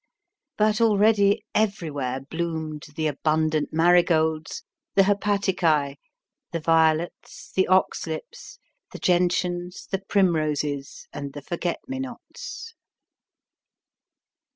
But already everywhere bloomed the abundant marigolds, the hepaticae, the violets, the oxlips, the gentians, the primroses, and the forget me nots.